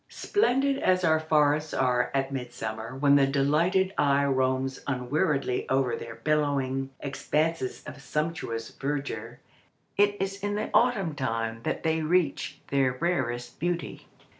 Splendid as our forests are at midsummer when the delighted eye roams unweariedly over their billowy expanses of sumptuous verdure, it is in the autumn time that they reach their rarest beauty.